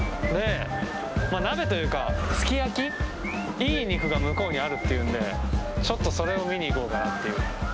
いい肉が向こうにあるっていうんでちょっとそれを見に行こうかなっていう。